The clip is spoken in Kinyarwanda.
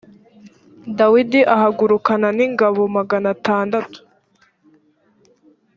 dawidi ahagurukana n ingabo magana atandatu